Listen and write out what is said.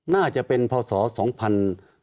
น่าจะเป็นพศสองพัน